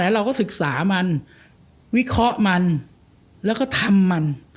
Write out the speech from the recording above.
เราก็ศึกษามันวิเคราะห์มันแล้วก็ทำมัน